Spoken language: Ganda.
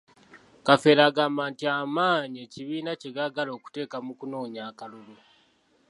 Kafeero agamba nti amaanyi ekibiina kye gaagala okuteeka mu kunoonya akalulu.